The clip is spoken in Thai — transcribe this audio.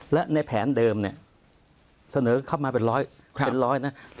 และในแผนเดิมเนี่ยเสนอเข้ามาเป็นร้อยเป็นร้อยนะ